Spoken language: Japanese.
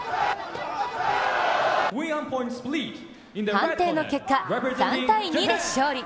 判定の結果、３−２で勝利。